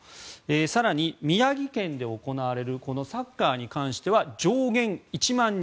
更に宮城県で行われるサッカーに関しては上限１万人